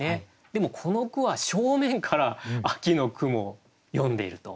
でもこの句は正面から秋の雲を詠んでいると。